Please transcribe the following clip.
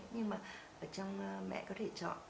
nhưng mà ở trong mẹ có thể chọn